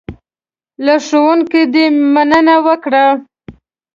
له ښوونکي دې مننه وکړه .